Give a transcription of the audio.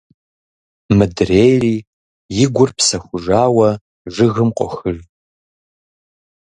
Мыдрейри, и гур псэхужауэ, жыгым къохыж…